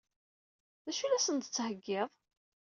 D acu i la sen-d-tettheggiḍ?